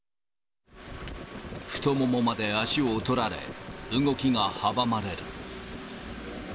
太ももまで足を取られ、動きが阻まれる。